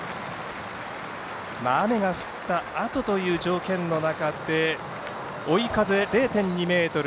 雨が降ったあとという条件の中で追い風０．２メートル。